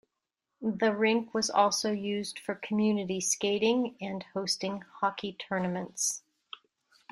The rink was also used for community skating and hosting hockey tournaments.